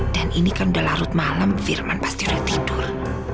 dan ini kan sudah larut malam firman pasti sudah tidur